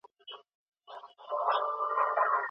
ځيني خلک د اټکلي واده پايلو ته پام نکوي.